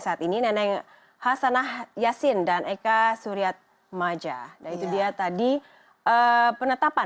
pemilihan umum di kpud kabupaten bekasi